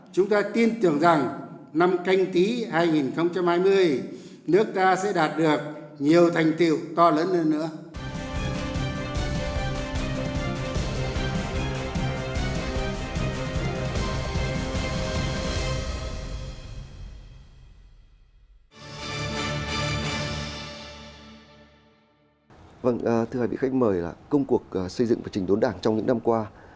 chúng ta tin tưởng rằng năm canh tí hai nghìn hai mươi nước ta sẽ đạt được nhiều thành tiêu to lớn hơn nữa